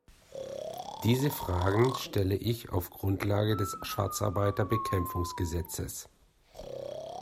Diese Fragen stelle ich auf Grundlage des Schwarzarbeitsbekämpfungsgesetzes.